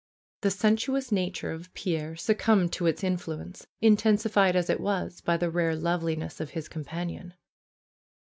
The sensuous nature of Pierre succumbed to its influence, intensified as it was by the rare loveliness of his companion.